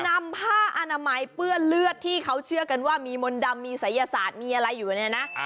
นำผ้าอนามัยเปื้อนเลือดที่เขาเชื่อกันว่ามีมนต์ดำมีศัยศาสตร์มีอะไรอยู่เนี่ยนะ